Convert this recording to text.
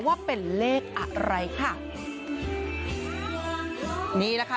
ว่าเป็นเลขอะไรค่ะนี่แหละค่ะ